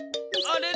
あれ？